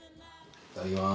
いただきます。